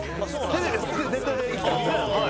テレビは出ていきたいですねはい。